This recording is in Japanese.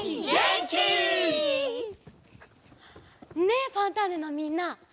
ねえ「ファンターネ！」のみんな。